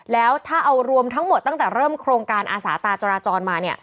แล้วถ้าเอารวมทั้งหมดตั้งแต่เริ่มโครงการอาสาตาจราจรมา